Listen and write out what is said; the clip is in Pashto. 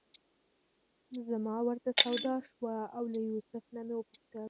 زما ورته سودا شوه او له یوسف نه مې وپوښتل.